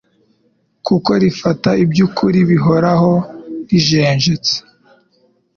kuko rifata iby'ukuri bihoraho rijenjetse.